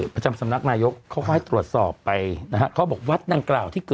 ประจำสำนักนายกเขาก็ให้ตรวจสอบไปนะฮะเขาบอกวัดดังกล่าวที่เกิด